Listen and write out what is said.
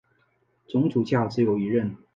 总主教只有一任。